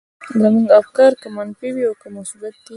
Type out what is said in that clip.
زموږ افکار که منفي دي او که مثبت دي.